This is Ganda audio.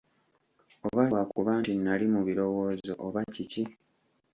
Oba lwakuba nti nnali mu birowoozo, oba kiki?